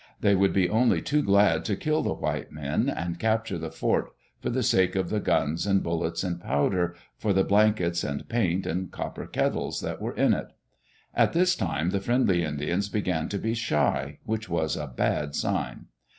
They would be only too glad to kill the white men and capture the fort for the sake of the guns and bullets and powder, for the blankets and paint and copper kettles, that were in it. At this time the friendly Indians began to be shy, which was a bad sign.